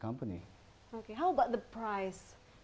bagaimana dengan harga